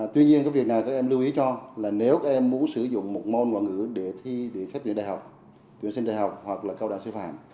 tuy nhiên cái việc nào các em lưu ý cho là nếu các em muốn sử dụng một môn ngoại ngữ để thi để xét tuyển đại học tuyển sinh đại học hoặc là cao đẳng sư phạm